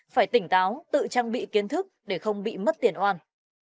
phải tỉnh táo tự trang bị kiến thức để không bị mất tiền oan